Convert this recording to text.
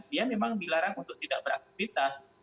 dia memang dilarang untuk tidak beraktivitas